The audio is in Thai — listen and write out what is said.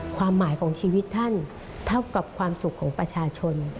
ความหมายของชีวิตท่านเท่ากับความสุขของประชาชน